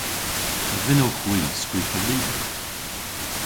A vynnowgh hwi skrifa lyver?